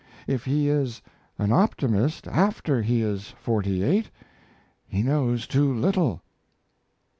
If he is an optimist after he is forty eight he knows too little."